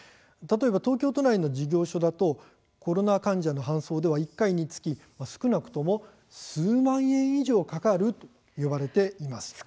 例えば東京都内の事業所だとコロナ患者の搬送では１回につき少なくとも数万円以上かかると言われています。